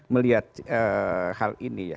melihat hal ini ya